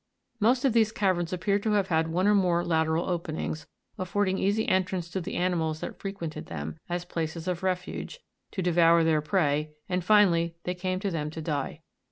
31. Most of these caverns appear to have had one or more lateral openings, affording easy entrance to the animals that fre quented them, as places of refuge, to devour their prey, and finally they came to them to die.